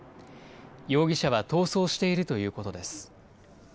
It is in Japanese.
容疑者は逃走しているということです。